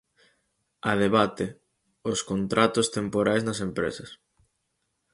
A debate, os contratos temporais nas empresas.